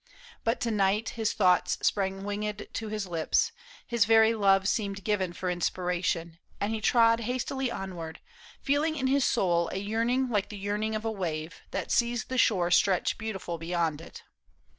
But to night his thoughts Sprang winged to his lips ; his very love Seemed given for inspiration, and he trod Hastily onward, feehng in his soul A yearning like the yearning of a wave That sees the shore stretch beautiful beyond it.